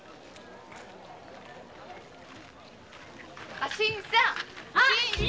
あ新さん！